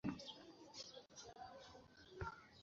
আসলে, বিপক্ষে রায় হলে এয়ারলাইন দেউলিয়া হয়ে যাবে।